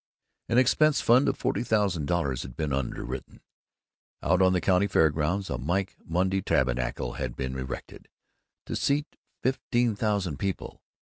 An expense fund of forty thousand dollars had been underwritten; out on the County Fair Grounds a Mike Monday Tabernacle had been erected, to seat fifteen thousand people.